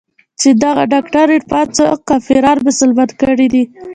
چې دغه ډاکتر عرفان څو کافران مسلمانان کړي دي.